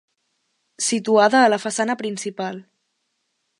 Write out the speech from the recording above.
Situada a la façana principal.